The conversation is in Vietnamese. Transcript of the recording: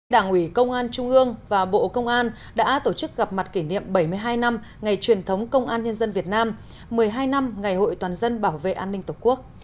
đảng ủy công an trung ương và bộ công an đã tổ chức gặp mặt kỷ niệm bảy mươi hai năm ngày truyền thống công an nhân dân việt nam một mươi hai năm ngày hội toàn dân bảo vệ an ninh tổ quốc